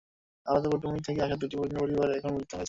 আলাদা পটভূমি থেকে আসা দুটি ভিন্ন পরিবার এখানে মিলিত হয়েছে।